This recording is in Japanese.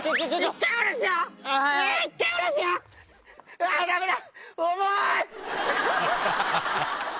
うわダメだ。